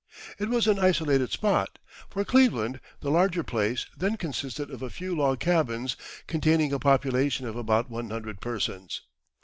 It was an isolated spot, for Cleveland, the larger place, then consisted of a few log cabins, containing a population of about one hundred persons.